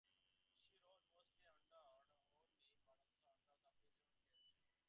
She wrote mostly under her own name but also under the pseudonym Kieran Abbey.